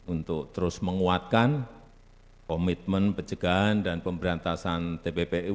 untuk terus menguatkan komitmen pencegahan dan pemberantasan tppu